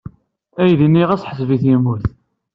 Aydi-nni ɣas ḥṣeb-it yemmut.